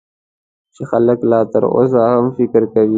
چې خلک لا تر اوسه هم فکر کوي .